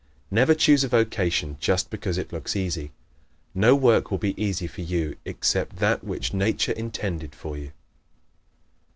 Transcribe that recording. Never choose a vocation just because it looks easy. No work will be easy for you except that which Nature intended for you.